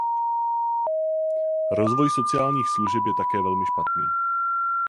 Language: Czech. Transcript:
Rozvoj sociálních služeb je také velmi špatný.